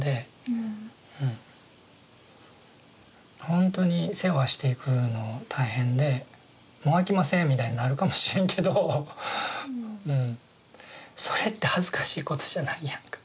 ほんとに世話していくの大変でもうあきませんみたいになるかもしれんけどそれって恥ずかしいことじゃないやんか。